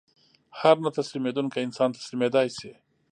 هر نه تسلیمېدونکی انسان تسلیمېدای شي